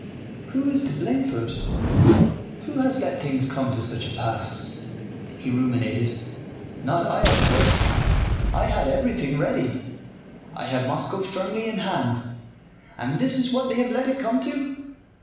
"Who is to blame for it? Who has let things come to such a pass?" he ruminated. "Not I, of course. I had everything ready. I had Moscow firmly in hand. And this is what they have let it come to!